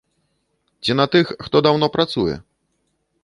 Ці на тых, хто даўно працуе?